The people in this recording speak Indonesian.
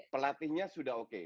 pelatihnya sudah oke